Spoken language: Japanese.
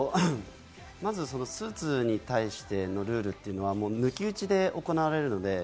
まずスーツに対してのルールというのは、抜き打ちで行われます。